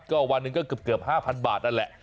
ก็วันหนึ่งก็เกือบ๕๐๐บาทนั่นแหละ